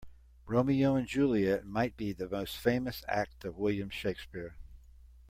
Romeo and Juliet might be the most famous act of William Shakespeare.